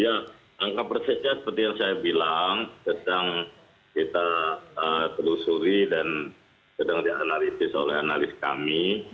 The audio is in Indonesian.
ya angka persisnya seperti yang saya bilang sedang kita telusuri dan sedang dianalisis oleh analis kami